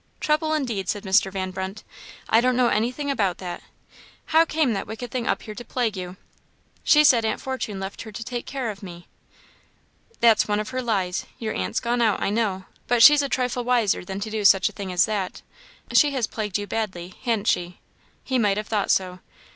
"Trouble, indeed!" said Mr. Van Brunt; "I don't know anything about that. How came that wicked thing up here to plague you?" "She said Aunt Fortune left her to take care of me." "That's one of her lies. Your aunt's gone out, I know; but she's a trifle wiser than to do such a thing as that. She has plagued you badly, han't she?" He might have thought so.